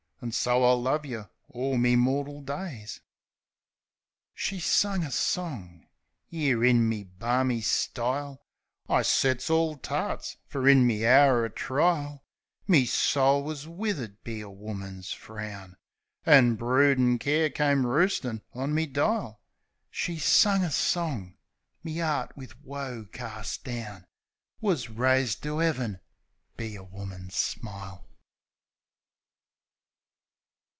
An' so I'll love yeh all me mortal days 1" She sung a song. ... 'Ere, in me barmy style, I sets orl tarts ; for in me hour o' trile Me soul was withered be a woman's frown. An' broodin' care come roostin' on me dile. She sung a song ... Me 'eart, wiv woe carst down, Wus raised to 'Eaven be a woman's smile.